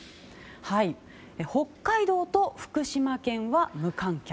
北海道と福島県は無観客。